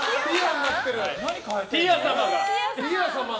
ティア様だ！